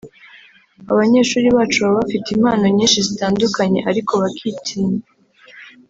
“Abanyeshuri bacu baba bafite impano nyinshi zitandukanye ariko bakitinya